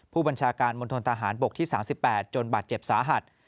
ผู้บัญชาการมณฑนทหารบกที่๓๘จนบาดเจ็บสาหัส